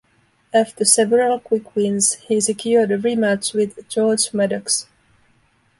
After several quick wins, he secured a rematch with George Maddox.